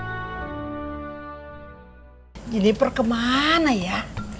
jadi jennifer kemana ya